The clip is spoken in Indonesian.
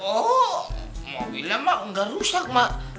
oh mobilnya mak nggak rusak mak